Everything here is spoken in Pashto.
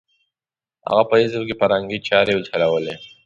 هغه په حزب کې فرهنګي چارې چلولې.